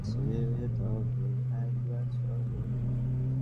যখন আপনাদের ভ্রম হয়, তখন আপনারা যথার্থ বস্তু দেখেন না।